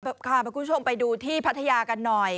พาคุณผู้ชมไปดูที่พัทยากันหน่อย